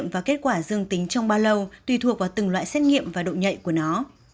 phòng ngừa có kết quả dương tính trong bao lâu tùy thuộc vào từng loại xét nghiệm và độ nhạy của nó